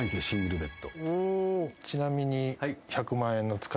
ちなみに。